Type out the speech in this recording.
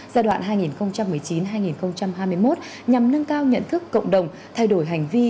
giai đoạn hai nghìn một mươi chín hai nghìn hai mươi một nhằm nâng cao nhận thức cộng đồng thay đổi hành vi